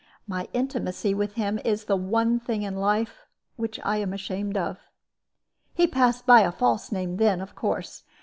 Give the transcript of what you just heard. My intimacy with him is the one thing in life which I am ashamed of. He passed by a false name then, of course.